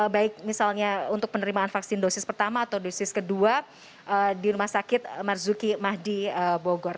baik misalnya untuk penerimaan vaksin dosis pertama atau dosis kedua di rumah sakit marzuki mahdi bogor